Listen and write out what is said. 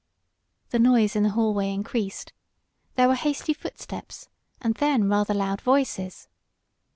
The noise in the hallway increased. There were hasty footsteps, and then rather loud voices.